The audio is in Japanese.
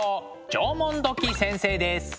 縄文土器先生です。